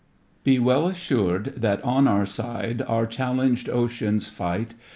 Be well assured thai on our side Our challenged oceans fight.